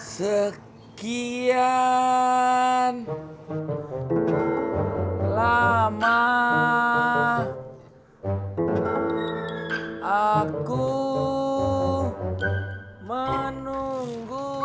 sekian lama aku menunggu